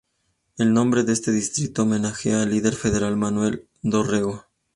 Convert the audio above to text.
El nombre de este distrito homenajea al líder federal Manuel Dorrego.